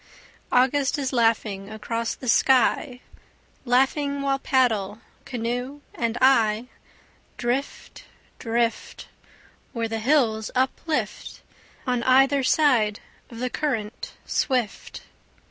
August is laughing across the sky, Laughing while paddle, canoe and I, Drift, drift, Where the hills uplift On either side of the current swift.